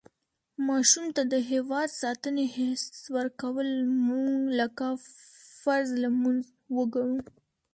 ماشوم ته د هېواد ساتنې حس ورکول مونږ لکه فرض لمونځ وګڼو.